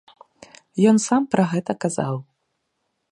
Ён сам пра гэта казаў.